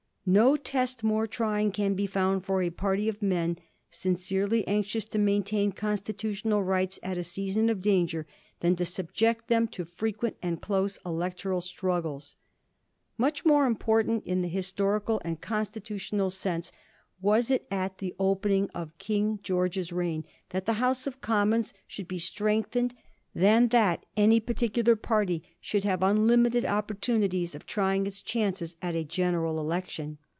No test more trying can be found for a party of men sincerely anxious to maintain constitutional rights at a season of danger than to subject them to fJrequent and close electoral struggles. Much more important in the historical and constitutional sense Digiti zed by Google 1716. DEATH OF LORD SOMERS. 193 was it at the opening of K'ing Greorge's reign that the House of Commons should be strengthened than that any particular party should have unlimited oppor tunities of trying its chances at a general election.